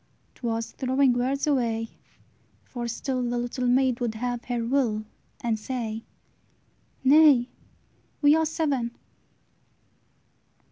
'T was throwing words away; for still The little maid would have her will, And say, "Nay, we are seven!"